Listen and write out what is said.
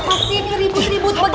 pak sini ribut ribut begini